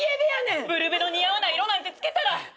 ブルベの似合わない色なんてつけたら。